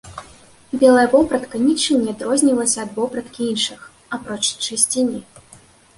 Белая вопратка нічым не адрознівалася ад вопраткі іншых, апроч чысціні.